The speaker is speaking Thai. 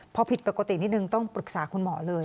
พอผิดปกตินิดนึงต้องปรึกษาคุณหมอเลย